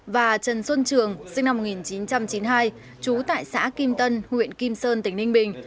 và trần xuân trường sinh năm một nghìn chín trăm chín mươi hai trú tại xã kim tân huyện kim sơn tỉnh ninh bình